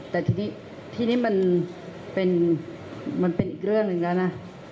แต่ทีนี้ที่นี่มันเป็นอีกเรื่องหนึ่งแล้วนะ